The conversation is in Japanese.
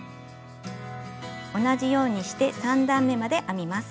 同じようにして３段めまで編みます。